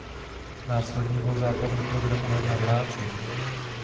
Následně byl zápas do programu her navrácen.